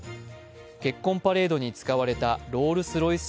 結婚パレードに使われたロールス・ロイス